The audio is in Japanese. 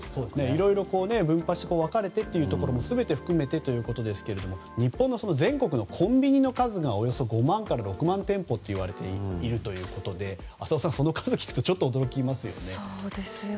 いろいろ文化思考分かれてというか含めてということですが日本の全国のコンビニのおよそ５万から６万店舗といわれているということでその数を聞くと驚きますよね。